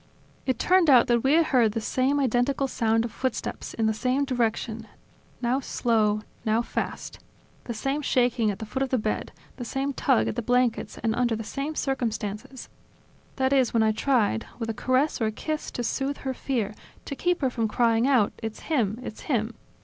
It turned out that we had heard the same identical sound of footsteps, in the same direction, now slow, now fast; the same shaking at the foot of the bed, the same tug at the blankets and under the same circumstances, that is when I tried, with a caress, or a kiss, to soothe her fear, to keep her from crying out: "It's him! It's him!"